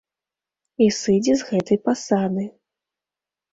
І сыдзе з гэтай пасады.